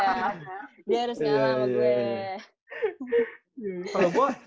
dia harus nyala sama gue